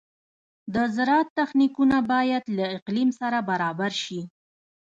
د زراعت تخنیکونه باید له اقلیم سره برابر شي.